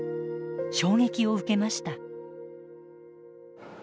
衝撃を受けました。